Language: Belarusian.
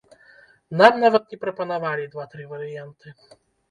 Нам нават не прапанавалі два-тры варыянты.